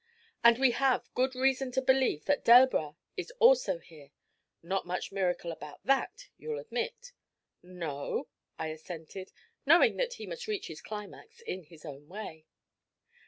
'And we have good reason to believe that Delbras is also here. Not much miracle about that, you'll admit.' 'No,' I assented, knowing that he must reach his climax in his own way.